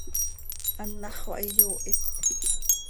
Anàxö xah iyoohit.